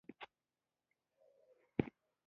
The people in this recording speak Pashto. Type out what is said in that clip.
تر څو ټول سرکټونه له یوې یا دوو نقطو څخه کنټرول شي.